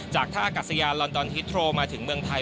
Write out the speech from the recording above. จากท่าอากาศยานลอนดอนฮิตโทรมาถึงเมืองไทย